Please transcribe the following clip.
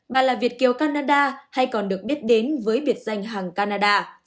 bà là việt kiều canada hay còn được biết đến với biệt danh hàng canada